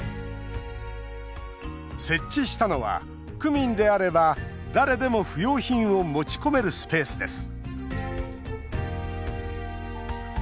設置したのは、区民であれば誰でも不用品を持ち込めるスペースです